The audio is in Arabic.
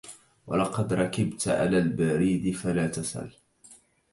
ولقد ركبت على البريد فلا تسل